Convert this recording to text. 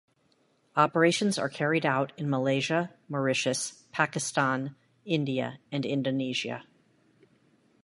Operations are carried out in Malaysia, Mauritius, Pakistan, India and Indonesia.